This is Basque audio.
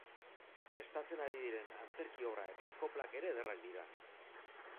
Prestatzen ari diren antzerki obra eta koplak ere ederrak dira.